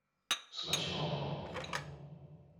Смачного!